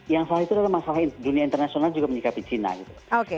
yang salah itu adalah masalah dunia internasional juga menyikapi china gitu